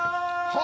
は